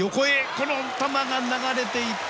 この球は流れていった。